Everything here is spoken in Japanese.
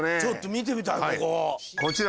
ちょっと見てみたいここ。